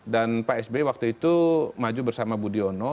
dan pak sby waktu itu maju bersama budi ono